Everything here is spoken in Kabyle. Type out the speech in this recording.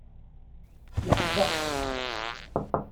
Yeḥdeq.